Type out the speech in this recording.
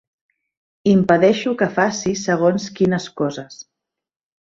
Impedeixo que faci segons quines coses.